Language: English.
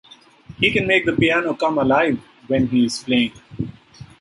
He can make the piano come alive when he is playing.